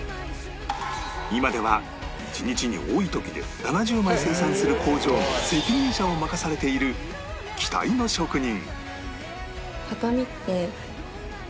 今では１日に多い時で７０枚生産する工場の責任者を任されている期待の職人